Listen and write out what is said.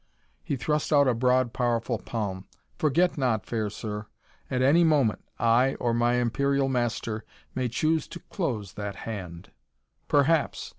He thrust out a broad, powerful palm. "Forget not, fair sir. At any moment I or my Imperial Master may choose to close that hand." "Perhaps!"